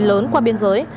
lớn qua biên giới